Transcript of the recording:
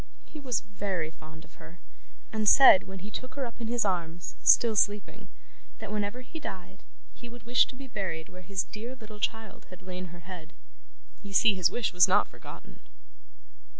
He was very fond of her, and said when he took her up in his arms, still sleeping, that whenever he died he would wish to be buried where his dear little child had laid her head. You see his wish was not forgotten.